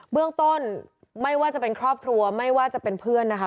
เรื่องต้นไม่ว่าจะเป็นครอบครัวไม่ว่าจะเป็นเพื่อนนะคะ